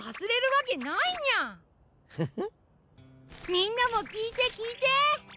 みんなもきいてきいて！